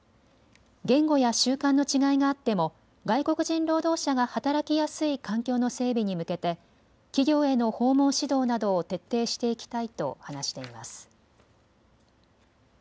言語や習慣の違いがあっても外国人労働者が働きやすい環境の整備に向けて企業への訪問指導などを徹底していきたいと話しています。